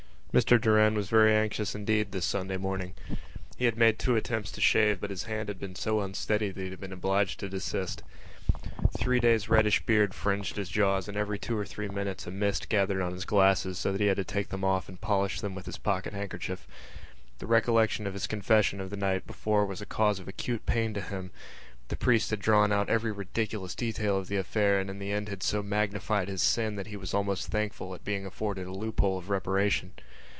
Mr Doran was very anxious indeed this Sunday morning. He had made two attempts to shave but his hand had been so unsteady that he had been obliged to desist. Three days' reddish beard fringed his jaws and every two or three minutes a mist gathered on his glasses so that he had to take them off and polish them with his pocket handkerchief. The recollection of his confession of the night before was a cause of acute pain to him; the priest had drawn out every ridiculous detail of the affair and in the end had so magnified his sin that he was almost thankful at being afforded a loophole of reparation.